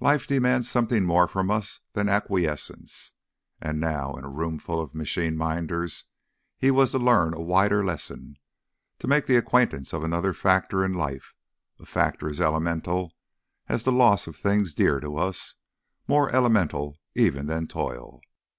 Life demands something more from us than acquiescence. And now in a roomful of machine minders he was to learn a wider lesson, to make the acquaintance of another factor in life, a factor as elemental as the loss of things dear to us, more elemental even than toil.